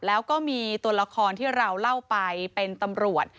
แล้วก็มีตัวละครที่เราเล่าไปเป็นตำรวจ